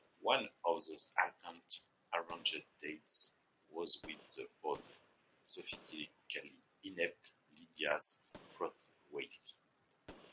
One of those attempted arranged dates was with the odd, socially inept Lydia Crosswaithe.